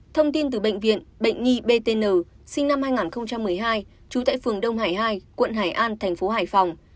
thông tin từ bệnh viện bệnh nhi btn sinh năm hai nghìn một mươi hai trú tại phường đông hải hai quận hải an thành phố hải phòng